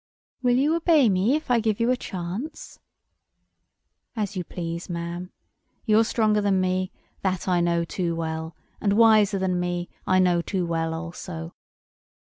"Will you obey me if I give you a chance?" "As you please, ma'am. You're stronger than me—that I know too well, and wiser than me, I know too well also.